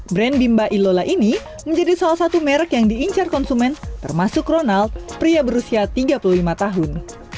brand bimba ilola ini menjadi salah satu merek yang diincar konsumen termasuk ronald pria berusia tiga puluh lima tahun